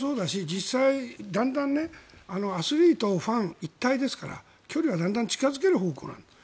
実際、だんだんアスリート、ファン一体ですから距離はだんだん近付ける方向なんです。